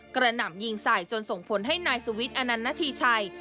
กระหน่ำยิงใส่จนส่งผลให้นายสุวิทย์อนันนาธีชัย